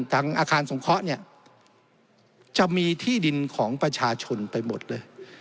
อาคารสงเคราะห์เนี่ยจะมีที่ดินของประชาชนไปหมดเลย